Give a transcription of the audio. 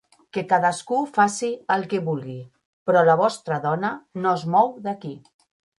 Que cadascú faci el que vulgui, però la vostra dona no es mou d'aquí.